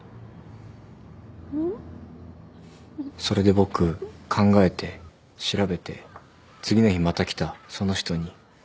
それで僕考えて調べて次の日また来たその人に。